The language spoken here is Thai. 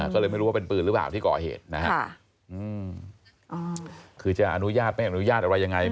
ก็เลยไม่รู้ว่าเป็นปืนหรือเปล่าที่ก่อเหตุนะฮะคือจะอนุญาตไม่อนุญาตอะไรยังไง